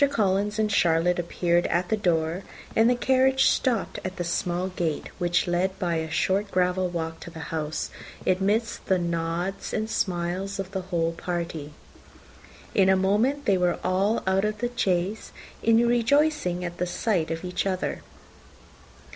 Collins and Charlotte appeared at the door, and the carriage stopped at the small gate, which led by a short gravel walk to the house, amidst the nods and smiles of the whole party. In a moment they were all out of the chaise, rejoicing at the sight of each other.